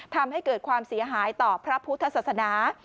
ทำให้เกิดความเสียหายต่อพระพุทธศาสนา